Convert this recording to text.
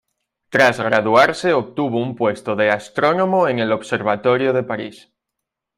Tras graduarse obtuvo un puesto de astrónomo en el observatorio de París.